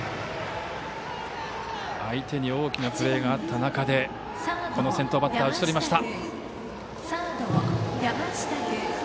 相手に大きなプレーがあった中で先頭バッター打ち取りました。